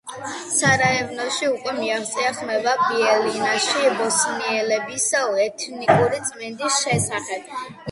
სარაევოში უკვე მოაღწია ხმებმა ბიელინაში ბოსნიელების ეთნიკური წმენდის შესახებ.